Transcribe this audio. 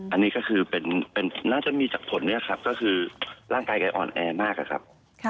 อันนี้ก็คือน่าจะมีจากผลก็คือร่างกายออนแอร์มากครับ